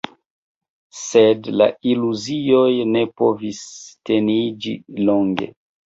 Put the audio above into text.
Sed la iluzioj ne povis teniĝi longe.